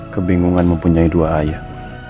kebingungan mempunyai dua ayah